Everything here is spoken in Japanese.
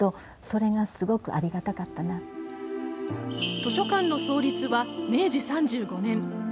図書館の創立は明治３５年。